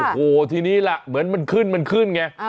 โอ้โหทีนี้ล่ะเหมือนมันขึ้นมันขึ้นไง